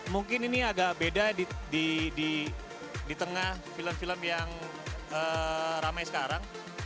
mungkin ini agak beda di tengah film film yang ramai sekarang